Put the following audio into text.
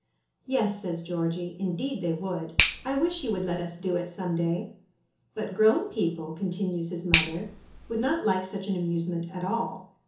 "Yes," says Georgie, "indeed, they would. I wish you would let us do it some day." "But grown people," continues his mother, "would not like such an amusement at all.